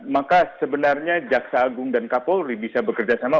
maka sebenarnya jaksa agung dan kapolri bisa bekerjasama